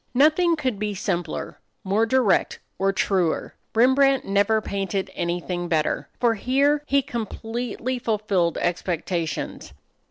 Nothing could be simpler, more direct, or truer. Rembrandt never painted anything better. For here he completely fulfilled expectations.